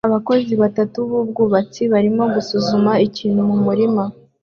Abakozi batatu b'ubwubatsi barimo gusuzuma ikintu mu murima